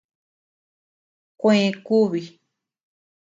Kuè kubi.